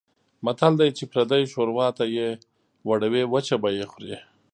متل دی: چې پردۍ شوروا ته یې وړوې وچه به یې خورې.